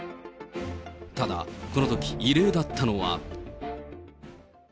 ただ、このとき異例だったのは。